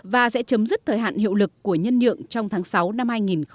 và sẽ chấm dứt thời hạn hiệu lực của nhân nhượng trong tháng sáu năm hai nghìn hai mươi